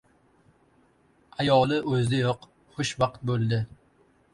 Ayoli o‘zida yo‘q xushvaqt bo‘ldi.